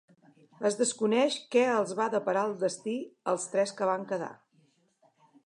Es desconeix què els va deparar el destí als tres que van quedar.